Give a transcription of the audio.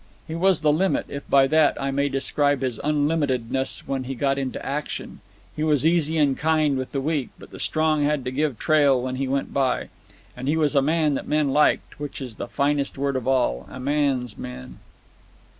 He was the limit, if by that I may describe his unlimitedness when he got into action, he was easy and kind with the weak, but the strong had to give trail when he went by. And he was a man that men liked, which is the finest word of all, a man's man.